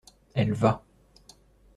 Elle va.